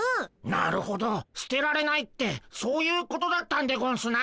なるほど捨てられないってそういうことだったんでゴンスな。